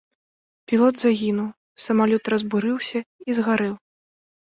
Пілот загінуў, самалёт разбурыўся і згарэў.